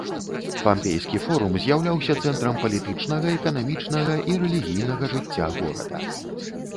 Пампейскі форум з'яўляўся цэнтрам палітычнага, эканамічнага і рэлігійнага жыцця горада.